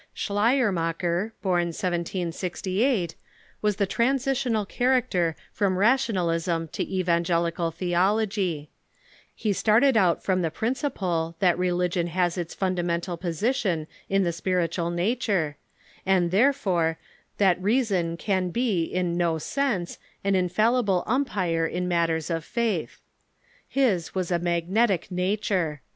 THE EVANGELICAL EEACTION 335 Sclileiermacher, born 1V68, was the transitional character from Rationalism to evangelical thoologJ^ He started out igg^^ from the principle that religion has its fundamental Evangelical position in the spiritual nature, and, therefore, that reason can be in no sense an infallible umpire in matters of faith. His was a magnetic nature.